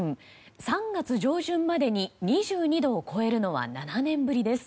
３月上旬までに２２度を超えるのは７年ぶりです。